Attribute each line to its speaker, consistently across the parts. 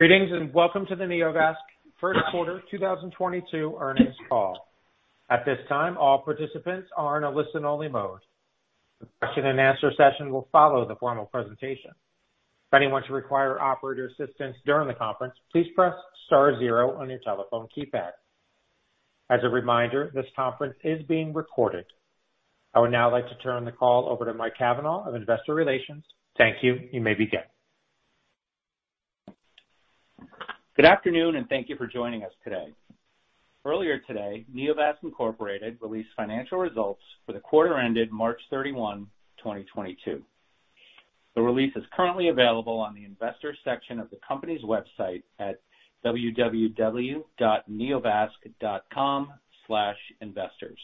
Speaker 1: Good evening and welcome to the Neovasc first quarter 2022 earnings call. At this time all participants are on a listen only mode. A question-and-answer session will follow the formal presentation. If anyone should require operator assistance during the conference, please press star zero on your telephone keypad. As a reminder this conference is being recorded. I would now like to turn the call over to Mike Cavanaugh of Investor Relations. Thank you. You may begin.
Speaker 2: Good afternoon, and thank you for joining us today. Earlier today, Neovasc Incorporated released financial results for the quarter ended March 31, 2022. The release is currently available on the investors section of the company's website at www.neovasc.com/investors.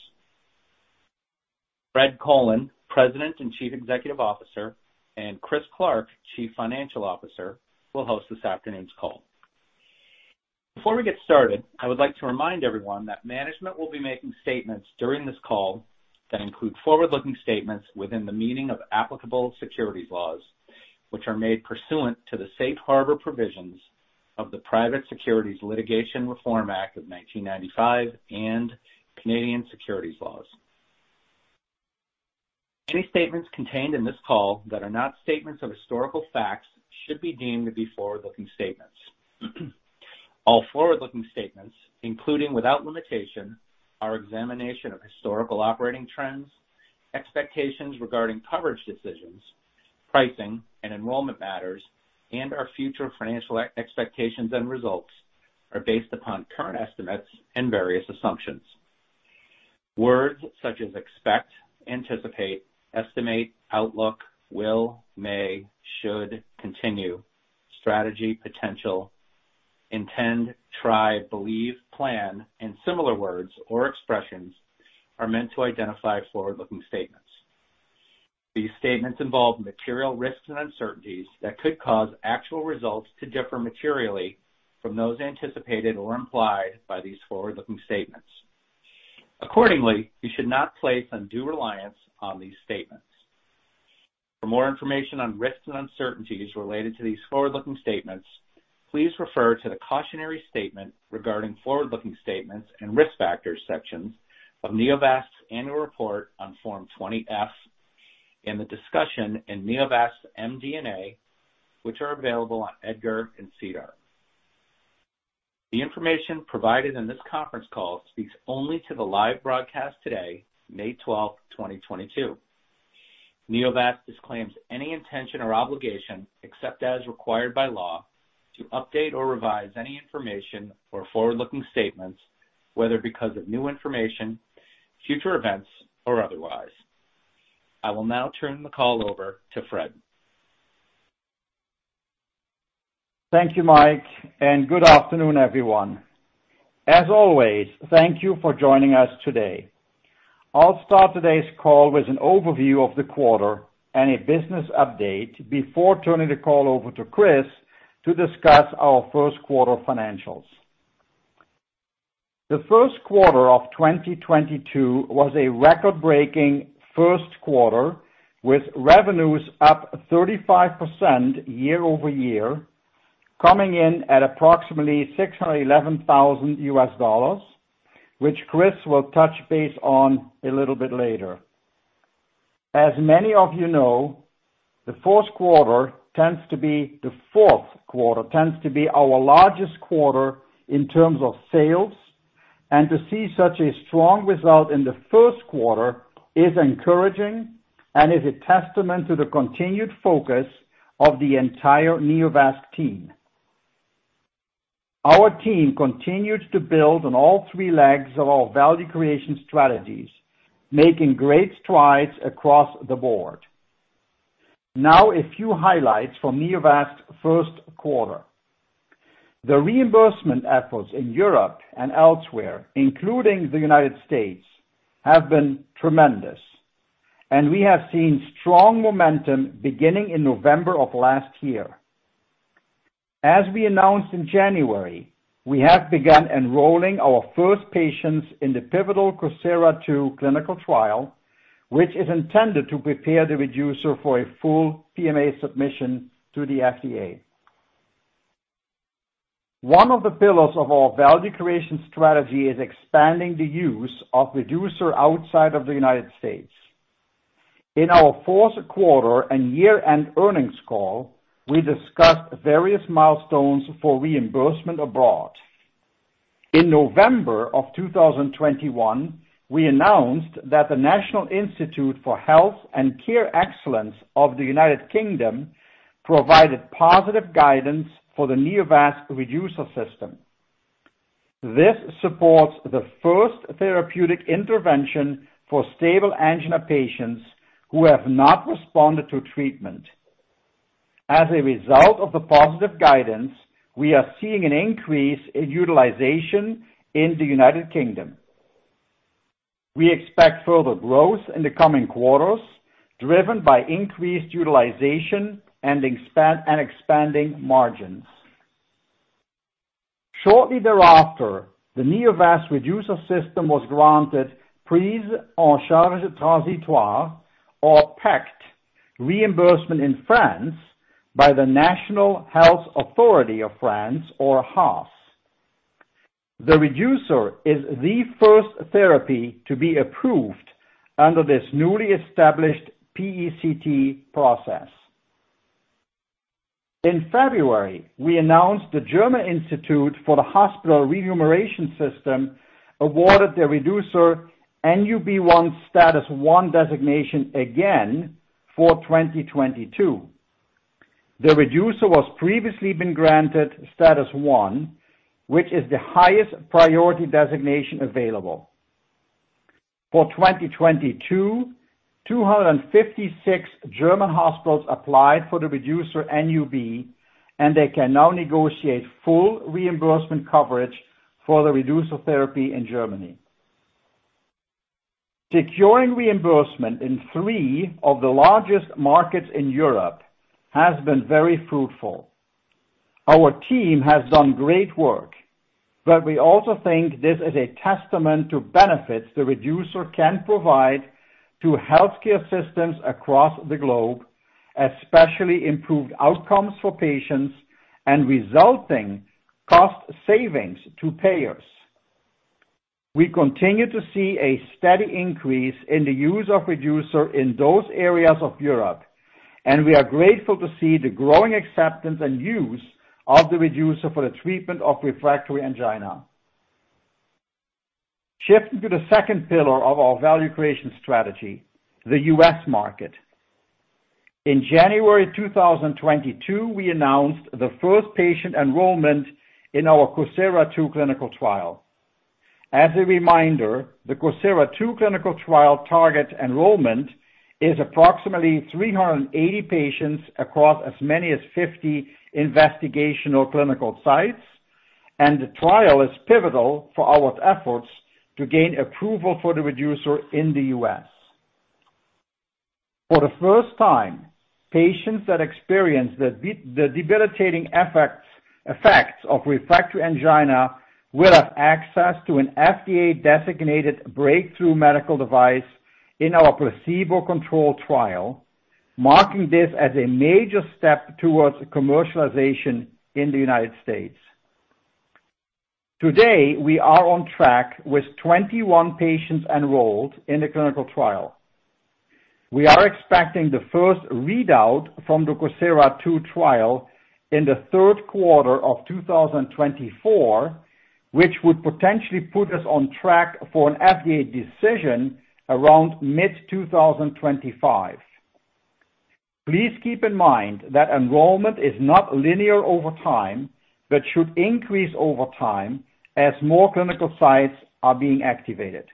Speaker 2: Fred Colen, President and Chief Executive Officer, and Chris Clark, Chief Financial Officer, will host this afternoon's call. Before we get started, I would like to remind everyone that management will be making statements during this call that include forward-looking statements within the meaning of applicable securities laws, which are made pursuant to the Safe Harbor Provisions of the Private Securities Litigation Reform Act of 1995 and Canadian securities laws. Any statements contained in this call that are not statements of historical facts should be deemed to be forward-looking statements. All forward-looking statements, including without limitation, our examination of historical operating trends, expectations regarding coverage decisions, pricing, and enrollment matters, and our future financial expectations and results, are based upon current estimates and various assumptions. Words such as expect, anticipate, estimate, outlook, will, may, should, continue, strategy, potential, intend, try, believe, plan, and similar words or expressions are meant to identify forward-looking statements. These statements involve material risks and uncertainties that could cause actual results to differ materially from those anticipated or implied by these forward-looking statements. Accordingly, you should not place undue reliance on these statements. For more information on risks and uncertainties related to these forward-looking statements, please refer to the Cautionary Statement Regarding Forward-Looking Statements and Risk Factors sections of Neovasc's annual report on Form 20-F and the discussion in Neovasc's MD&A, which are available on EDGAR and SEDAR. The information provided in this conference call speaks only to the live broadcast today, May 12, 2022. Neovasc disclaims any intention or obligation, except as required by law, to update or revise any information or forward-looking statements, whether because of new information, future events, or otherwise. I will now turn the call over to Fred.
Speaker 3: Thank you, Mike, and good afternoon, everyone. As always, thank you for joining us today. I'll start today's call with an overview of the quarter and a business update before turning the call over to Chris to discuss our first quarter financials. The first quarter of 2022 was a record-breaking first quarter with revenues up 35% year-over-year, coming in at approximately $611,000, which Chris will touch base on a little bit later. As many of you know, the fourth quarter tends to be our largest quarter in terms of sales, and to see such a strong result in the first quarter is encouraging and is a testament to the continued focus of the entire Neovasc team. Our team continues to build on all three legs of our value creation strategies, making great strides across the board. Now a few highlights for Neovasc's first quarter. The reimbursement efforts in Europe and elsewhere, including the United States, have been tremendous, and we have seen strong momentum beginning in November of last year. As we announced in January, we have begun enrolling our first patients in the pivotal COSIRA-II clinical trial, which is intended to prepare the Reducer for a full PMA submission to the FDA. One of the pillars of our value creation strategy is expanding the use of Reducer outside of the United States. In our fourth quarter and year-end earnings call, we discussed various milestones for reimbursement abroad. In November of 2021, we announced that the National Institute for Health and Care Excellence of the United Kingdom provided positive guidance for the Neovasc Reducer system. This supports the first therapeutic intervention for stable angina patients who have not responded to treatment. As a result of the positive guidance, we are seeing an increase in utilization in the United Kingdom. We expect further growth in the coming quarters, driven by increased utilization and expanding margins. Shortly thereafter, the Neovasc Reducer system was granted prise en charge transitoire or PECT reimbursement in France by the French National Authority for Health, or HAS. The Reducer is the first therapy to be approved under this newly established PECT process. In February, we announced the German Institute for the Hospital Remuneration System awarded the Reducer NUB 1 status 1 designation again for 2022. The Reducer was previously been granted status 1, which is the highest priority designation available. For 2022, 256 German hospitals applied for the Reducer NUB, and they can now negotiate full reimbursement coverage for the Reducer therapy in Germany. Securing reimbursement in three of the largest markets in Europe has been very fruitful. Our team has done great work, but we also think this is a testament to benefits the Reducer can provide to healthcare systems across the globe, especially improved outcomes for patients and resulting cost savings to payers. We continue to see a steady increase in the use of Reducer in those areas of Europe, and we are grateful to see the growing acceptance and use of the Reducer for the treatment of refractory angina. Shifting to the second pillar of our value creation strategy, the U.S. market. In January 2022, we announced the first patient enrollment in our COSIRA-II clinical trial. As a reminder, the COSIRA-II clinical trial target enrollment is approximately 380 patients across as many as 50 investigational clinical sites, and the trial is pivotal for our efforts to gain approval for the Reducer in the U.S. For the first time, patients that experience the debilitating effects of refractory angina will have access to an FDA-designated breakthrough medical device in our placebo-controlled trial, marking this as a major step towards commercialization in the United States. Today, we are on track with 21 patients enrolled in the clinical trial. We are expecting the first readout from the COSIRA-II trial in the third quarter of 2024, which would potentially put us on track for an FDA decision around mid-2025. Please keep in mind that enrollment is not linear over time, but should increase over time as more clinical sites are being activated.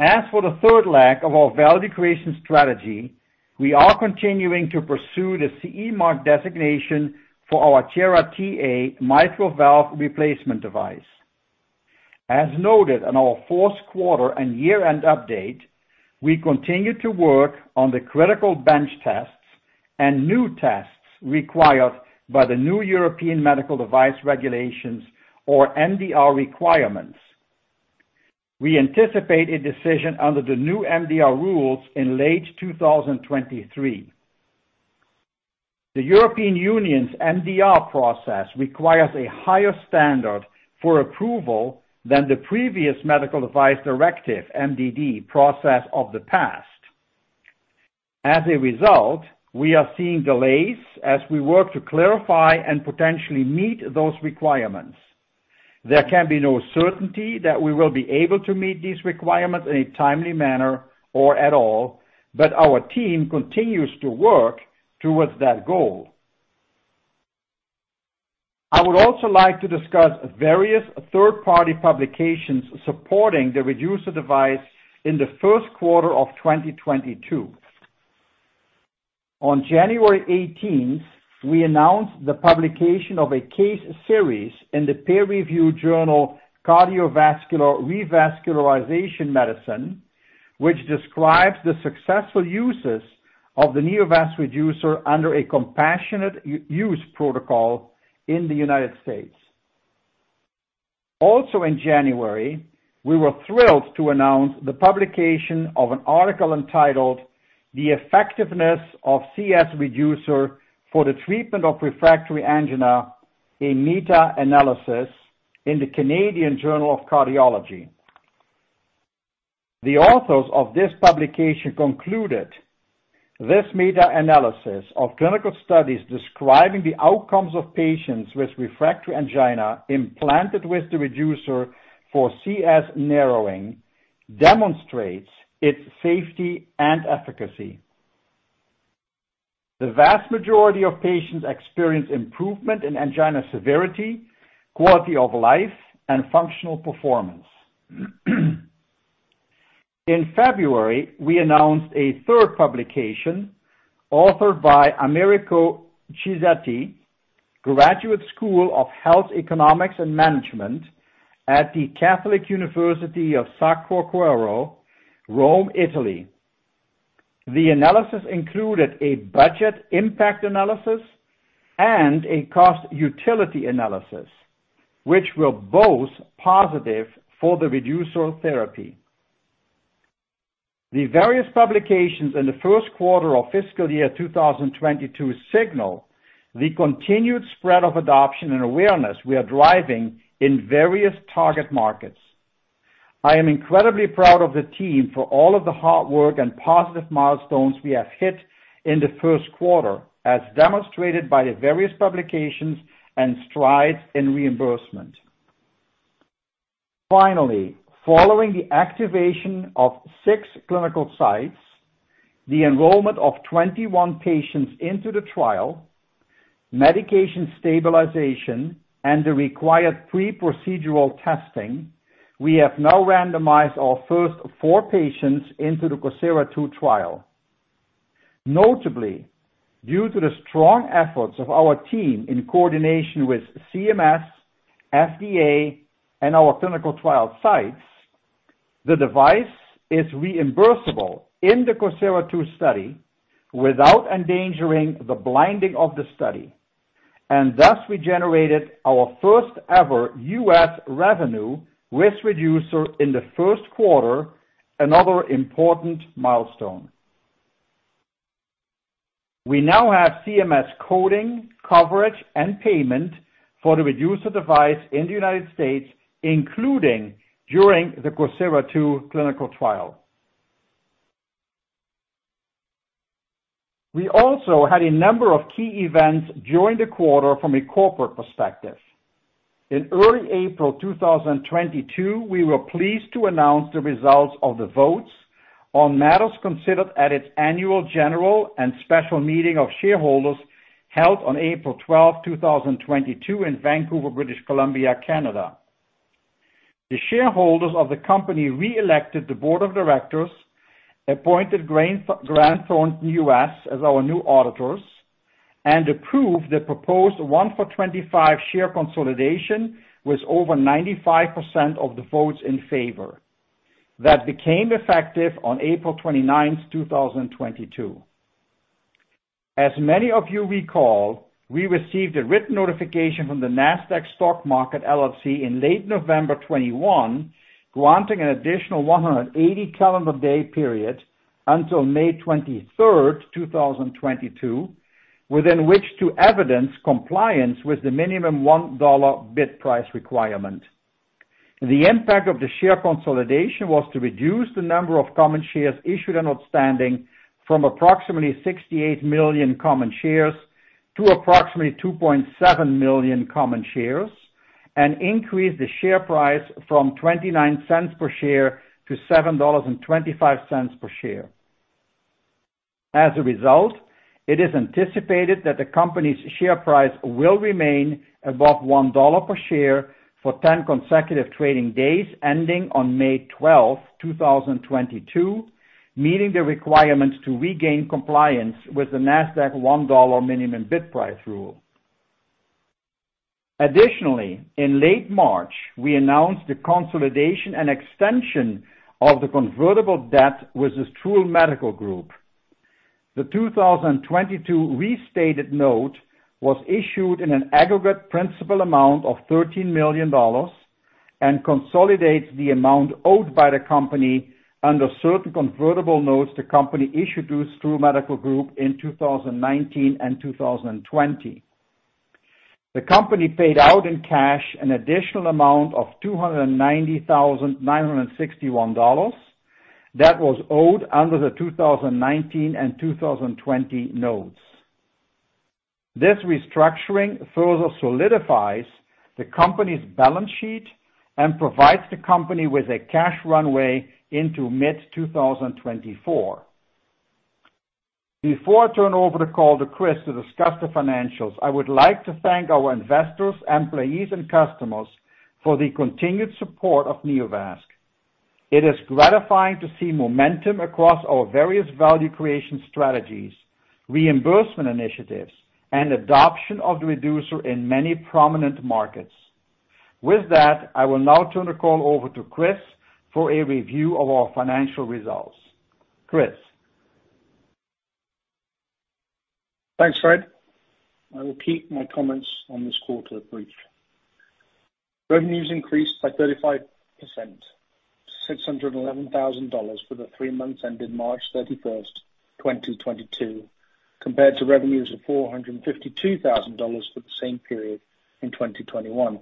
Speaker 3: As for the third leg of our value creation strategy, we are continuing to pursue the CE mark designation for our Tiara TA mitral valve replacement device. As noted in our fourth quarter and year-end update, we continue to work on the critical bench tests and new tests required by the new European Medical Device Regulation or MDR requirements. We anticipate a decision under the new MDR rules in late 2023. The European Union's MDR process requires a higher standard for approval than the previous Medical Device Directive, MDD, process of the past. As a result, we are seeing delays as we work to clarify and potentially meet those requirements. There can be no certainty that we will be able to meet these requirements in a timely manner or at all, but our team continues to work towards that goal. I would also like to discuss various third-party publications supporting the Reducer device in the first quarter of 2022. On January 18th, we announced the publication of a case series in the peer-reviewed journal Cardiovascular Revascularization Medicine, which describes the successful uses of the Neovasc Reducer under a compassionate use protocol in the United States. Also in January, we were thrilled to announce the publication of an article entitled The Effectiveness of Reducer for the Treatment of Refractory Angina, A Meta-analysis in the Canadian Journal of Cardiology. The authors of this publication concluded this meta-analysis of clinical studies describing the outcomes of patients with refractory angina implanted with the Reducer for CS narrowing demonstrates its safety and efficacy. The vast majority of patients experience improvement in angina severity, quality of life, and functional performance. In February, we announced a third publication authored by Americo Cicchetti, Graduate School of Health Economics and Management at the Catholic University of Sacro Cuore, Rome, Italy. The analysis included a budget impact analysis and a cost utility analysis, which were both positive for the Reducer therapy. The various publications in the first quarter of fiscal year 2022 signal the continued spread of adoption and awareness we are driving in various target markets. I am incredibly proud of the team for all of the hard work and positive milestones we have hit in the first quarter, as demonstrated by the various publications and strides in reimbursement. Finally, following the activation of six clinical sites, the enrollment of 21 patients into the trial, medication stabilization, and the required pre-procedural testing, we have now randomized our first four patients into the COSIRA-II trial. Notably, due to the strong efforts of our team in coordination with CMS, FDA, and our clinical trial sites, the device is reimbursable in the COSIRA-II study without endangering the blinding of the study. Thus, we generated our first-ever U.S. revenue with Reducer in the first quarter, another important milestone. We now have CMS coding, coverage, and payment for the Reducer device in the United States, including during the COSIRA-II clinical trial. We also had a number of key events during the quarter from a corporate perspective. In early April 2022, we were pleased to announce the results of the votes on matters considered at its annual general and special meeting of shareholders held on April 12th, 2022 in Vancouver, British Columbia, Canada. The shareholders of the company reelected the board of directors, appointed Grant Thornton U.S. as our new auditors, and approved the proposed one for 25 share consolidation with over 95% of the votes in favor. That became effective on April 29th, 2022. As many of you recall, we received a written notification from The Nasdaq Stock Market LLC in late November 2021, granting an additional 180 calendar day period until May 23rd, 2022, within which to evidence compliance with the minimum $1 bid price requirement. The impact of the share consolidation was to reduce the number of common shares issued and outstanding from approximately 68 million common shares to approximately 2.7 million common shares, and increase the share price from $0.29 per share to $7.25 per share. As a result, it is anticipated that the company's share price will remain above $1 per share for 10 consecutive trading days, ending on May 12, 2022, meeting the requirements to regain compliance with the Nasdaq $1 minimum bid price rule. Additionally, in late March, we announced the consolidation and extension of the convertible debt with the Strul Medical Group. The 2022 restated note was issued in an aggregate principal amount of $13 million and consolidates the amount owed by the company under certain convertible notes the company issued to Strul Medical Group in 2019 and 2020. The company paid out in cash an additional amount of $290,961 that was owed under the 2019 and 2020 notes. This restructuring further solidifies the company's balance sheet and provides the company with a cash runway into mid-2024. Before I turn over the call to Chris to discuss the financials, I would like to thank our investors, employees, and customers for the continued support of Neovasc. It is gratifying to see momentum across our various value creation strategies, reimbursement initiatives, and adoption of the Reducer in many prominent markets. With that, I will now turn the call over to Chris for a review of our financial results. Chris?
Speaker 4: Thanks, Fred. I will keep my comments on this quarter brief. Revenues increased by 35%, $611,000 for the three months ending March 31, 2022, compared to revenues of $452,000 for the same period in 2021.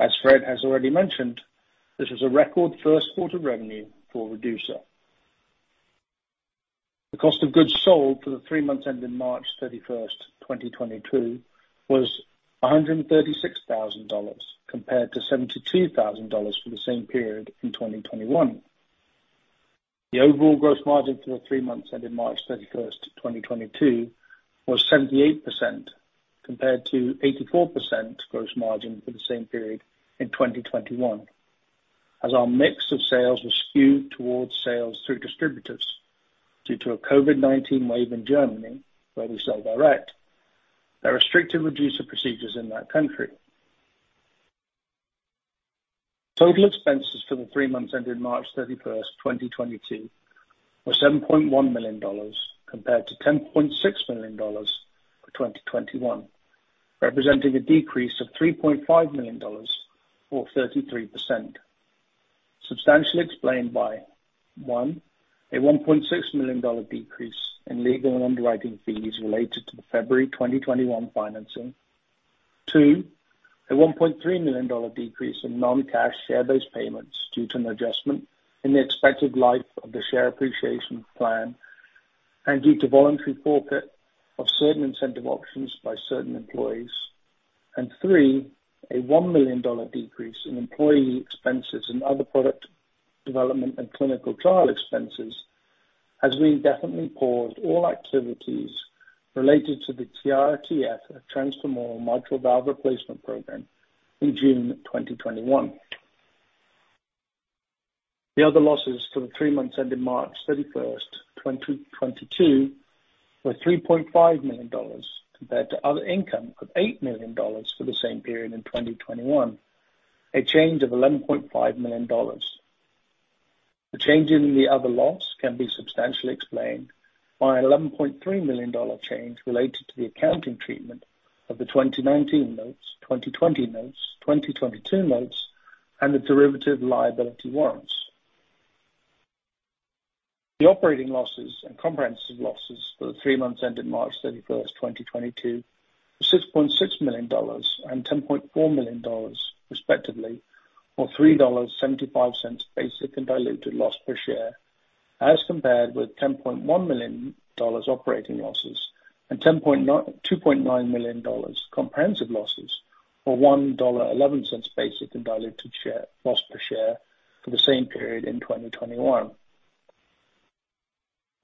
Speaker 4: As Fred has already mentioned, this is a record first quarter revenue for Reducer. The cost of goods sold for the three months ending March 31, 2022 was $136,000 compared to $72,000 for the same period in 2021. The overall gross margin for the three months ending March 31, 2022, was 78% compared to 84% gross margin for the same period in 2021, as our mix of sales was skewed towards sales through distributors due to a COVID-19 wave in Germany, where we sell direct, that restricted Reducer procedures in that country. Total expenses for the three months ending March 31, 2022, were $7.1 million compared to $10.6 million for 2021, representing a decrease of $3.5 million or 33%. Substantially explained by, one, a $1.6 million decrease in legal and underwriting fees related to the February 2021 financing. Two, a $1.3 million decrease in non-cash share-based payments due to an adjustment in the expected life of the share appreciation plan and due to voluntary forfeit of certain incentive options by certain employees. Three, a $1 million decrease in employee expenses and other product development and clinical trial expenses as we indefinitely paused all activities related to the TMVR, a transformable mitral valve replacement program, in June 2021. The other losses for the three months ending March 31st, 2022 were $3.5 million compared to other income of $8 million for the same period in 2021, a change of $11.5 million. The change in the other loss can be substantially explained by an $11.3 million change related to the accounting treatment of the 2019 notes, 2020 notes, 2022 notes, and the derivative liability warrants. The operating losses and comprehensive losses for the three months ending March 31st, 2022, were $6.6 million and $10.4 million, respectively, or $3.75 basic and diluted loss per share, as compared with $10.1 million operating losses and $2.9 million comprehensive losses, or $1.11 basic and diluted loss per share for the same period in 2021.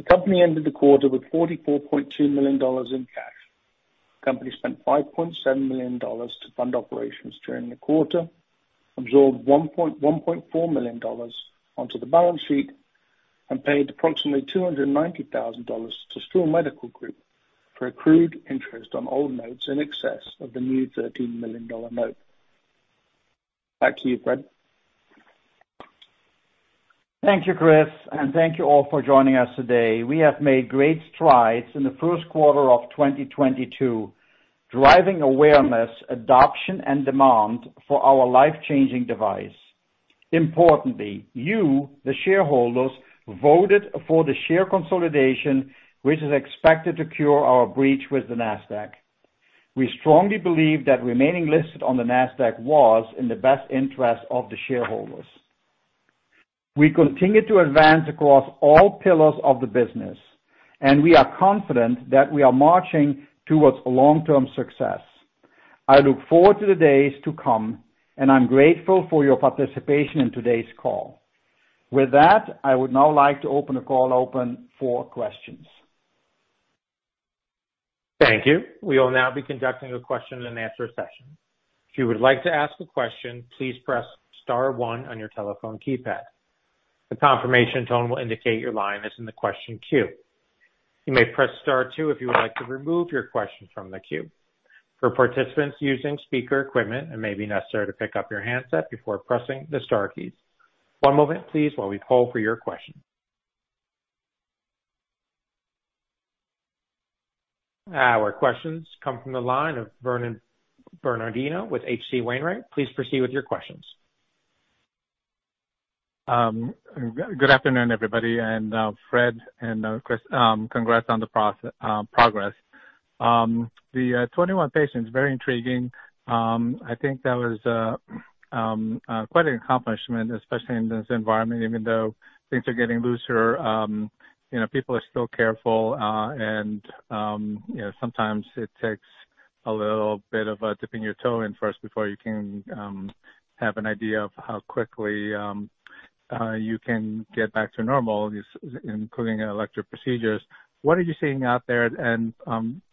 Speaker 4: The company ended the quarter with $44.2 million in cash. The company spent $5.7 million to fund operations during the quarter, absorbed $1.4 million onto the balance sheet, paid approximately $290,000 to Strul Medical Group for accrued interest on old notes in excess of the new $13 million note. Back to you, Fred.
Speaker 3: Thank you, Chris, and thank you all for joining us today. We have made great strides in the first quarter of 2022, driving awareness, adoption, and demand for our life-changing device. Importantly, you, the shareholders, voted for the share consolidation, which is expected to cure our breach with the Nasdaq. We strongly believe that remaining listed on the Nasdaq was in the best interest of the shareholders. We continue to advance across all pillars of the business, and we are confident that we are marching towards long-term success. I look forward to the days to come, and I'm grateful for your participation in today's call. With that, I would now like to open the call for questions.
Speaker 1: Thank you. We will now be conducting a question-and-answer session. If you would like to ask a question, please press star one on your telephone keypad. The confirmation tone will indicate your line is in the question queue. You may press star two if you would like to remove your question from the queue. For participants using speaker equipment, it may be necessary to pick up your handset before pressing the star keys. One moment, please, while we poll for your question. Our questions come from the line of Vernon Bernardino with H.C. Wainwright. Please proceed with your questions.
Speaker 5: Good afternoon, everybody, and Fred and Chris, congrats on the progress. The 21 patients, very intriguing. I think that was quite an accomplishment, especially in this environment. Even though things are getting looser, you know, people are still careful, and, you know, sometimes it takes a little bit of dipping your toe in first before you can have an idea of how quickly you can get back to normal, this including electric procedures. What are you seeing out there?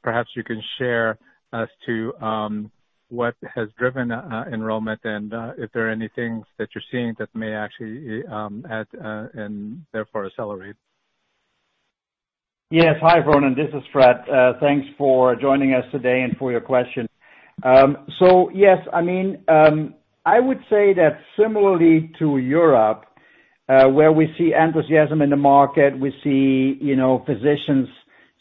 Speaker 5: Perhaps you can share as to what has driven enrollment and if there are any things that you're seeing that may actually add and therefore accelerate.
Speaker 3: Yes. Hi, Vernon, this is Fred. Thanks for joining us today and for your question. Yes, I mean, I would say that similarly to Europe, where we see enthusiasm in the market, we see, you know, physicians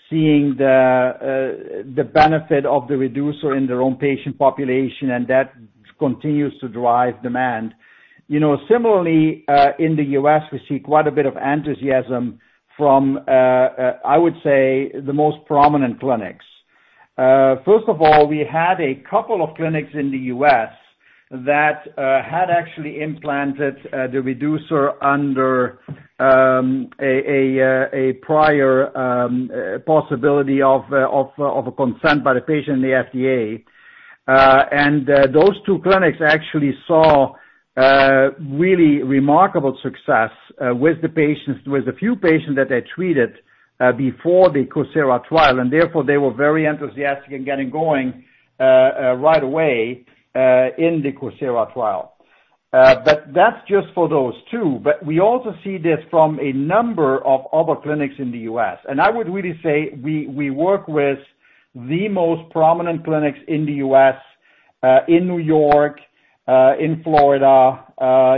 Speaker 3: seeing the benefit of the Reducer in their own patient population, and that continues to drive demand. You know, similarly, in the U.S., we see quite a bit of enthusiasm from, I would say, the most prominent clinics. First of all, we had a couple of clinics in the U.S. that had actually implanted the Reducer under a prior possibility of a consent by the patient and the FDA. Those two clinics actually saw really remarkable success with the few patients that they treated before the COSIRA trial, and therefore they were very enthusiastic in getting going right away in the COSIRA trial. That's just for those two. We also see this from a number of other clinics in the U.S. I would really say we work with the most prominent clinics in the U.S., in New York, in Florida,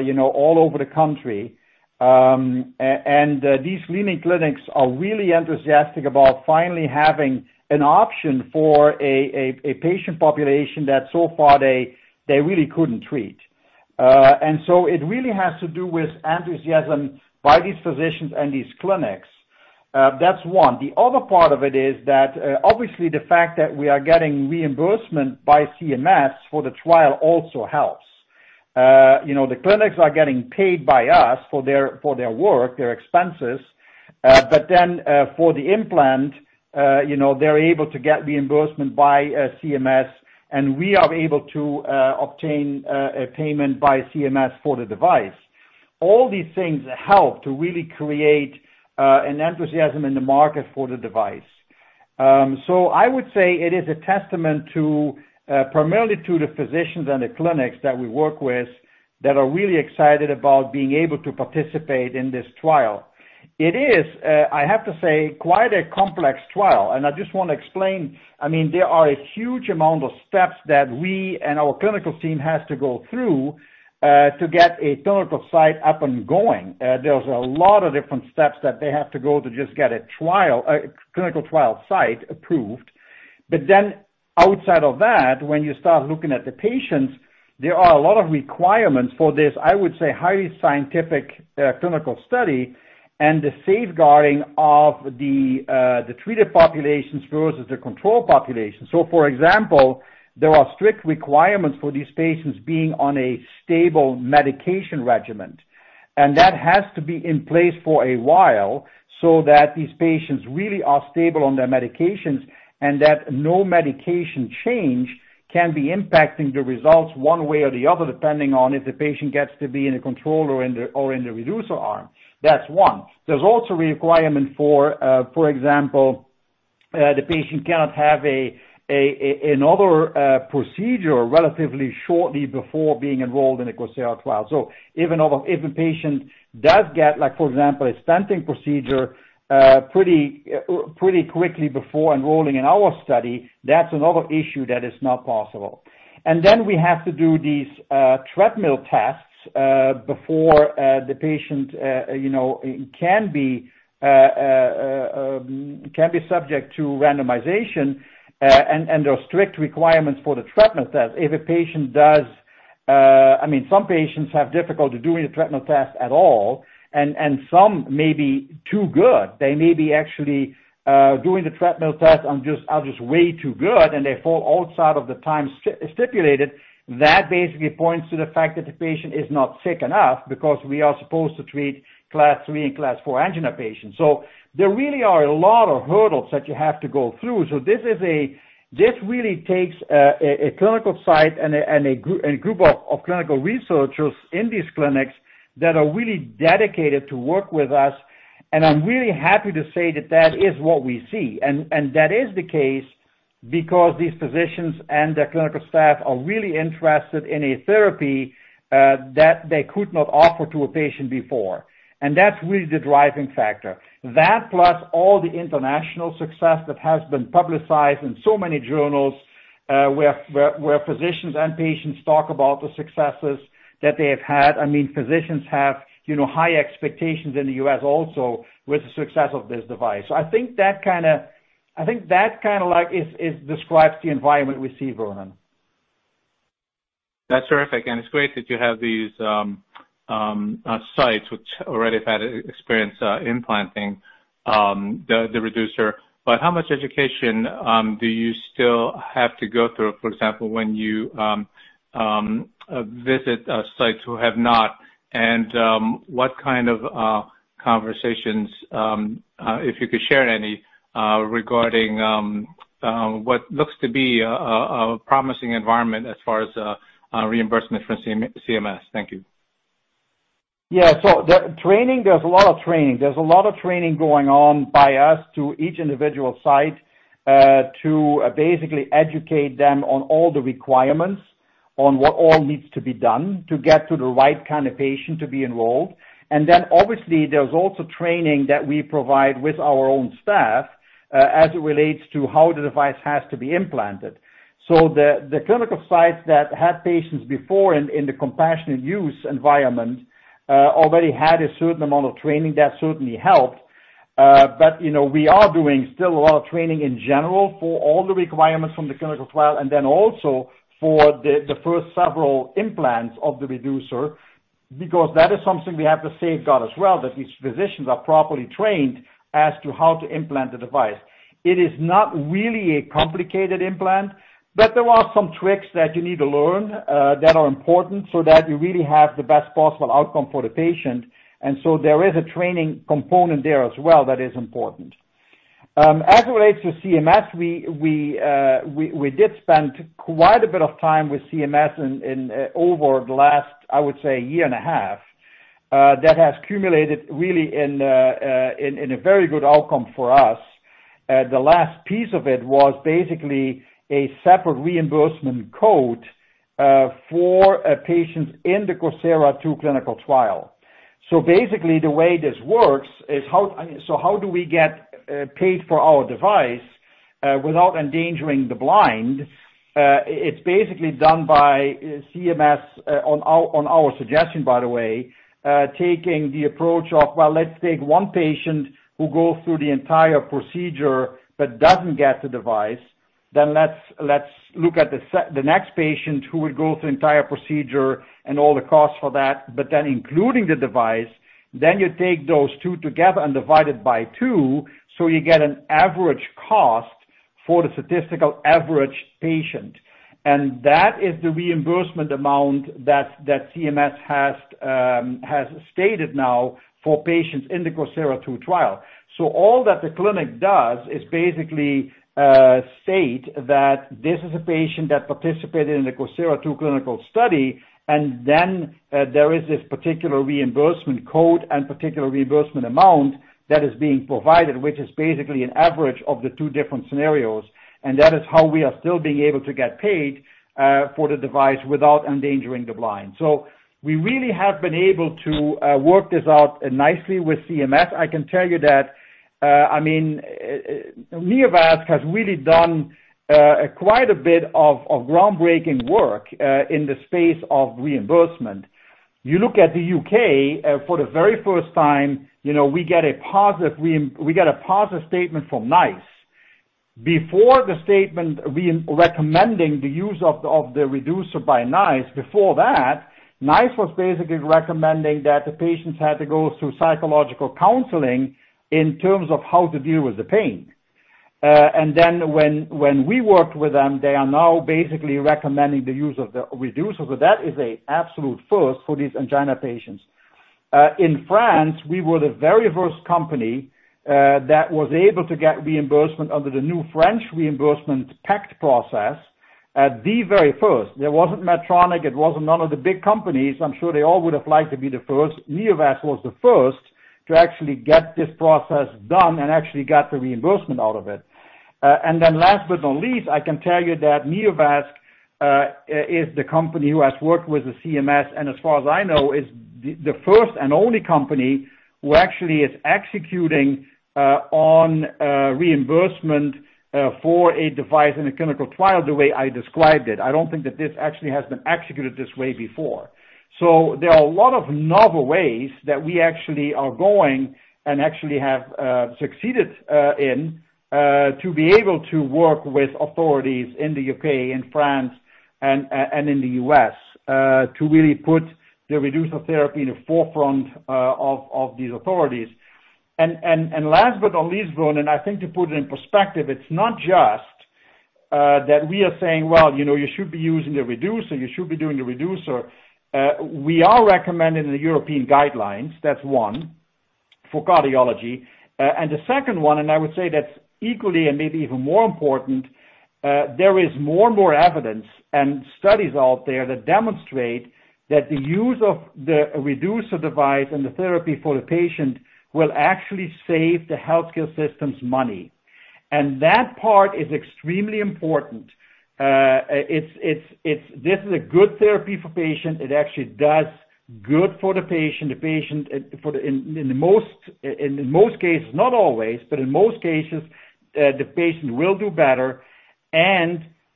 Speaker 3: you know, all over the country. These leading clinics are really enthusiastic about finally having an option for a patient population that so far they really couldn't treat. It really has to do with enthusiasm by these physicians and these clinics. That's one. The other part of it is that, obviously, the fact that we are getting reimbursement by CMS for the trial also helps. You know, the clinics are getting paid by us for their, for their work, their expenses. For the implant, you know, they're able to get reimbursement by CMS, and we are able to obtain a payment by CMS for the device. All these things help to really create an enthusiasm in the market for the device. I would say it is a testament to primarily to the physicians and the clinics that we work with that are really excited about being able to participate in this trial. It is, I have to say, quite a complex trial, and I just wanna explain. I mean, there are a huge amount of steps that we and our clinical team has to go through to get a clinical site up and going. There's a lot of different steps that they have to go to just get a clinical trial site approved. Outside of that, when you start looking at the patients, there are a lot of requirements for this, I would say, highly scientific clinical study and the safeguarding of the treated populations versus the control population. For example, there are strict requirements for these patients being on a stable medication regimen, and that has to be in place for a while so that these patients really are stable on their medications, and that no medication change can be impacting the results one way or the other, depending on if the patient gets to be in a control or in the Reducer arm. That's one. There's also a requirement for example, the patient cannot have another procedure relatively shortly before being enrolled in the COSIRA trial. Even if a patient does get, like, for example, a stenting procedure, pretty quickly before enrolling in our study, that's another issue that is not possible. Then we have to do these treadmill tests, before the patient, you know, can be subject to randomization. There are strict requirements for the treadmill test. If a patient, I mean, some patients have difficulty doing a treadmill test at all, and some may be too good. They may be actually doing the treadmill test and are just way too good, and they fall outside of the time stipulated. That basically points to the fact that the patient is not sick enough because we are supposed to treat Class 3 and Class 4 angina patients. There really are a lot of hurdles that you have to go through. This really takes a clinical site and a group of clinical researchers in these clinics that are really dedicated to work with us. I'm really happy to say that that is what we see. That is the case because these physicians and their clinical staff are really interested in a therapy that they could not offer to a patient before. That's really the driving factor. That plus all the international success that has been publicized in so many journals, where physicians and patients talk about the successes that they have had. I mean, physicians have, you know, high expectations in the U.S. also with the success of this device. I think that kinda like describes the environment we see, Vernon.
Speaker 5: That's terrific. It's great that you have these sites which already have had e-experience implanting the Reducer. How much education do you still have to go through, for example, when you visit sites who have not? What kind of conversations, if you could share any, regarding what looks to be a promising environment as far as reimbursement from CMS? Thank you.
Speaker 3: Yeah. The training, there's a lot of training. There's a lot of training going on by us to each individual site to basically educate them on all the requirements on what all needs to be done to get to the right kind of patient to be enrolled. Then obviously, there's also training that we provide with our own staff as it relates to how the device has to be implanted. The clinical sites that had patients before in the compassionate use environment already had a certain amount of training. That certainly helped. You know, we are doing still a lot of training in general for all the requirements from the clinical trial and then also for the first several implants of the Reducer because that is something we have to safeguard as well, that these physicians are properly trained as to how to implant the device. It is not really a complicated implant, but there are some tricks that you need to learn that are important so that you really have the best possible outcome for the patient. There is a training component there as well that is important. As it relates to CMS, we did spend quite a bit of time with CMS over the last, I would say, year and a half, that has accumulated really in a very good outcome for us. The last piece of it was basically a separate reimbursement code for patients in the COSIRA-II clinical trial. Basically the way this works is how do we get paid for our device without endangering the blind? It's basically done by CMS on our suggestion, by the way, taking the approach of, well, let's take one patient who goes through the entire procedure but doesn't get the device. Let's look at the next patient who would go through entire procedure and all the costs for that, but then including the device. You take those two together and divide it by two, so you get an average cost for the statistical average patient. That is the reimbursement amount that CMS has stated now for patients in the COSIRA-II trial. All that the clinic does is basically state that this is a patient that participated in the COSIRA-II clinical study, and then there is this particular reimbursement code and particular reimbursement amount that is being provided, which is basically an average of the two different scenarios. That is how we are still being able to get paid for the device without endangering the blind. We really have been able to work this out nicely with CMS. I can tell you that, I mean, Neovasc has really done quite a bit of groundbreaking work in the space of reimbursement. You look at the U.K., for the very first time, you know, we get a positive statement from NICE. Before the statement recommending the use of the Reducer by NICE, before that, NICE was basically recommending that the patients had to go through psychological counseling in terms of how to deal with the pain. Then when we worked with them, they are now basically recommending the use of the Reducer. That is a absolute first for these angina patients. In France, we were the very first company that was able to get reimbursement under the new French reimbursement PECT process, the very first. It wasn't Medtronic. It wasn't none of the big companies. I'm sure they all would have liked to be the first. Neovasc was the first to actually get this process done and actually got the reimbursement out of it. Last but not least, I can tell you that Neovasc is the company who has worked with the CMS, and as far as I know, is the first and only company who actually is executing on reimbursement for a device in a clinical trial the way I described it. I don't think that this actually has been executed this way before. There are a lot of novel ways that we actually are going and actually have succeeded in to be able to work with authorities in the U.K. and France and in the U.S. to really put the Reducer therapy in the forefront of these authorities. Last but not least, Vernon, and I think to put it in perspective, it's not just that we are saying, "Well, you know, you should be using the Reducer, you should be doing the Reducer." We are recommended in the European guidelines, that's one, for cardiology. The second one, I would say that's equally and maybe even more important, there is more and more evidence and studies out there that demonstrate that the use of the Reducer device and the therapy for the patient will actually save the healthcare system's money. That part is extremely important. This is a good therapy for patient. It actually does good for the patient. The patient, in most cases, not always, but in most cases, the patient will do better. The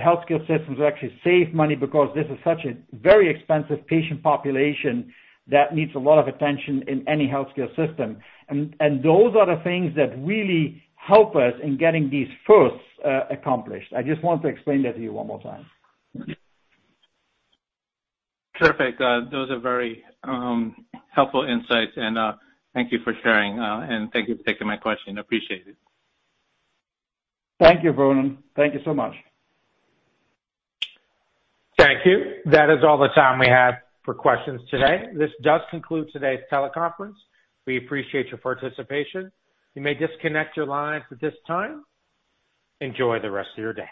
Speaker 3: healthcare systems will actually save money because this is such a very expensive patient population that needs a lot of attention in any healthcare system. Those are the things that really help us in getting these firsts accomplished. I just want to explain that to you one more time.
Speaker 5: Perfect. Those are very helpful insights and thank you for sharing and thank you for taking my question. Appreciate it.
Speaker 3: Thank you, Vernon. Thank you so much.
Speaker 1: Thank you. That is all the time we have for questions today. This does conclude today's teleconference. We appreciate your participation. You may disconnect your lines at this time. Enjoy the rest of your day.